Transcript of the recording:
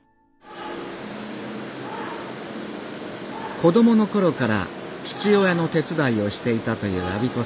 子供の頃から父親の手伝いをしていたという安孫子さん。